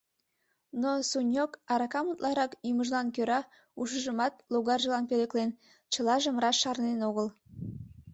Но Суньог, аракам утларак йӱмыжлан кӧра, ушыжымат логаржылан пӧлеклен, чылажым раш шарнен огыл.